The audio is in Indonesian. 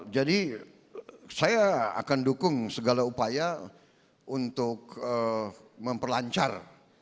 jadi saya akan dukung segala upaya untuk memperlancar